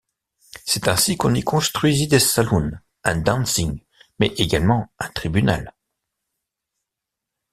C'est ainsi qu'on y construisit des saloons, un dancing, mais également un tribunal.